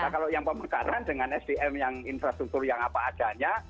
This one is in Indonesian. nah kalau yang pemekaran dengan sdm yang infrastruktur yang apa adanya